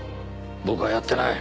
「僕はやってない。